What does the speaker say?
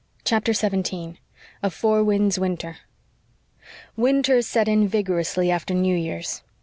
CHAPTER 17 A FOUR WINDS WINTER Winter set in vigorously after New Year's.